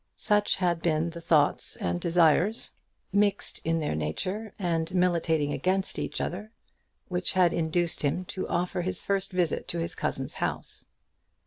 Such had been the thoughts and desires, mixed in their nature and militating against each other, which had induced him to offer his first visit to his cousin's house.